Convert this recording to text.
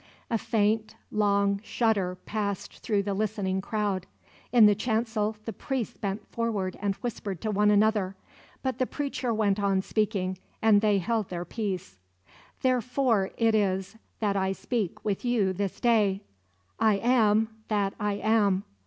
A faint, long shudder passed through the listening crowd. In the chancel the priests bent forward and whispered to one another; but the preacher went on speaking, and they held their peace. "Therefore it is that I speak with you this day: I AM THAT I AM.